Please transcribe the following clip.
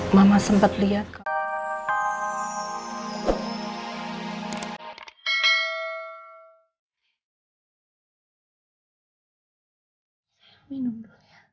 mama sempet liat